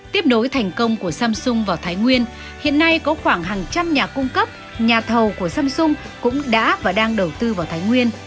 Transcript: tiếp nối thành công của samsung vào thái nguyên hiện nay có khoảng hàng trăm nhà cung cấp nhà thầu của samsung cũng đã và đang đầu tư vào thái nguyên